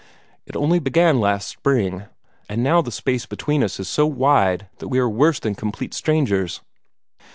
It only began last spring, and now the space between us is so wide that we are worse than complete strangers.